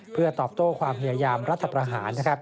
เพื่อตอบโต้ความพยายามรัฐประหาร